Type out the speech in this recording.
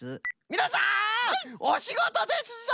みなさんおしごとですぞ！